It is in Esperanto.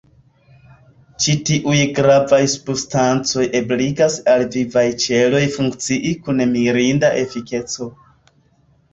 Ĉi tiuj gravaj substancoj ebligas al vivaj ĉeloj funkcii kun mirinda efikeco.